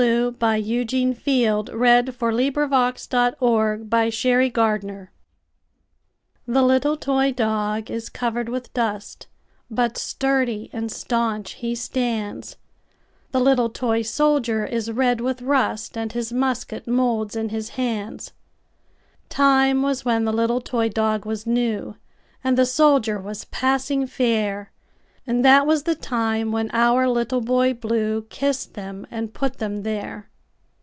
1919. Eugene Field1850–1895 Little Boy Blue THE LITTLE toy dog is covered with dust, But sturdy and staunch he stands; The little toy soldier is red with rust, And his musket moulds in his hands. Time was when the little toy dog was new, And the soldier was passing fair; And that was the time when our Little Boy BlueKissed them and put them there.